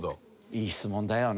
いい質問だよね。